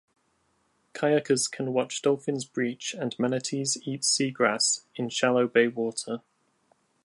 Kayakers can watch dolphins breach and manatees eat sea grass, in shallow bay water.